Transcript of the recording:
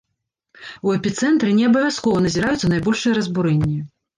У эпіцэнтры неабавязкова назіраюцца найбольшыя разбурэнні.